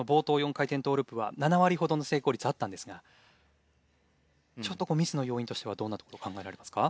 回転トーループは７割ほどの成功率あったんですがちょっとミスの要因としてはどんなところが考えられますか？